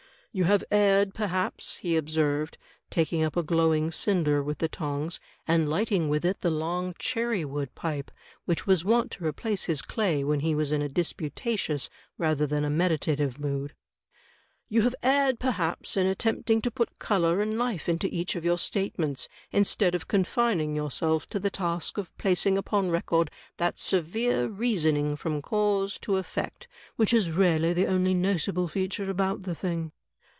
"You have erred, perhaps," he observed, taking up a glowing cinder with the tongs, and lighting with it the long cherrywood pipe which was wont to replace his clay when he was in a disputatious rather than a meditative mood — "you have erred perhaps in attempt ing to put color and life into each of your statements, instead of confining yourself to the task of placing upon record that severe reasoning from cause to effect which is really the only notable feature about the thing."